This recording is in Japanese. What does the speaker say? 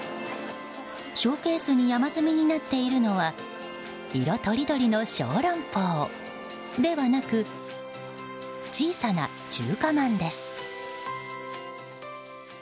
ショーケースに山積みになっているのは色とりどりの小龍包ではなく小さな中華まんです。